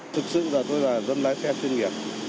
thực sự là tôi là dân lái xe chuyên nghiệp